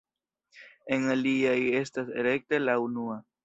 En aliaj estas rekte la unua.